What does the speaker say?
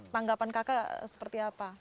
tanggapan kakak seperti apa